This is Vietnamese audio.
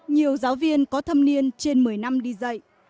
nhiều giáo viên có thâm niên trên một mươi năm đi dạy